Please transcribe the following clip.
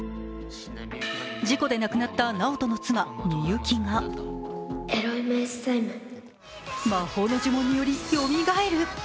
事故で亡くなった直人の妻・美雪が魔法の呪文により、よみがえる。